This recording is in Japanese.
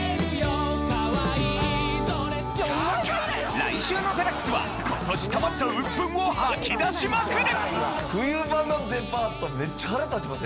来週の『ＤＸ』は今年溜まったうっぷんを吐き出しまくる！